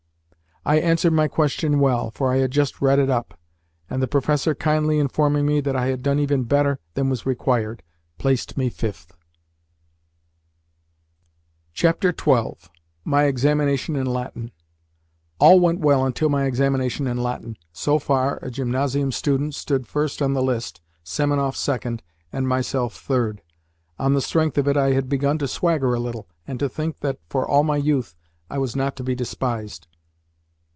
I answered my question well, for I had just read it up; and the professor, kindly informing me that I had done even better than was required, placed me fifth. XII. MY EXAMINATION IN LATIN All went well until my examination in Latin. So far, a gymnasium student stood first on the list, Semenoff second, and myself third. On the strength of it I had begun to swagger a little, and to think that, for all my youth, I was not to be despised.